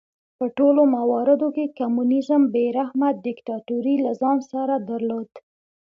په ټولو مواردو کې کمونېزم بې رحمه دیکتاتورۍ له ځان سره درلود.